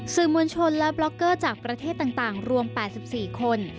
สื่อมวลชนและบล็อกเกอร์จากประเทศต่างรวม๘๔คน